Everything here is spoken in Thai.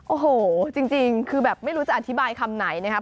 โอ้โหจริงคือแบบไม่รู้จะอธิบายคำไหนนะครับ